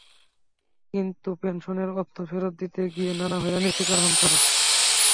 কিন্তু পেনশনের অর্থ ফেরত দিতে গিয়ে নানা হয়রানি শিকার হন তারা।